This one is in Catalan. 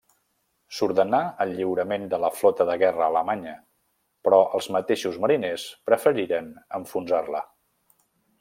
S'ordenà el lliurament de la flota de guerra alemanya, però els mateixos mariners preferiren enfonsar-la.